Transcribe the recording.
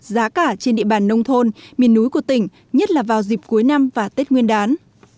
giá cả trên địa bàn nông thôn miền núi của tỉnh nhất là vào dịp cuối năm và tết nguyên đán